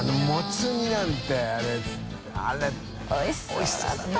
おいしそうだった。